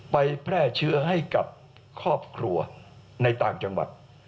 แพร่เชื้อให้กับครอบครัวในต่างจังหวัด